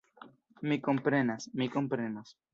Mi komprenas, mi komprenas!